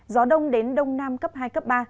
gió đông đến đông nam cấp hai cấp ba